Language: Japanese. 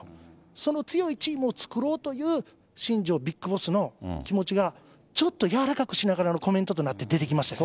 その強いチームを作ろうという新庄ビッグボスの気持ちが、ちょっと柔らかくしながらのコメントとなって出てきましたね。